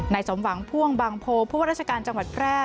สมหวังพ่วงบางโพผู้ว่าราชการจังหวัดแพร่